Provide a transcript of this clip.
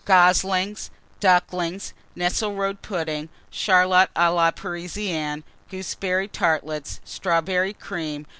Goslings. Ducklings. Nesselrode Pudding. Charlotte à la Parisienne. Gooseberry Tartlets. Strawberry Cream.